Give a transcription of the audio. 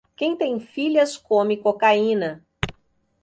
Quem tem filhas come cocaína.